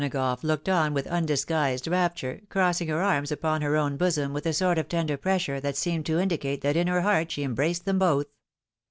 171 O'Donagough looked on with undisguised rapture, crossing her arms upon her own bosom, with a sort of tender pressure that seemed to indicate that in her heart she embraced them both.